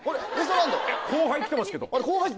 後輩来てますけど。